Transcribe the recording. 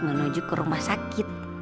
menuju ke rumah sakit